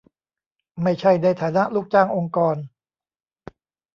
ไม่ใช่ในฐานะลูกจ้างองค์กร